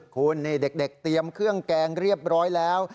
คุณนี่เด็กเตรียมเครื่องแกงเรียบร้อยแล้ว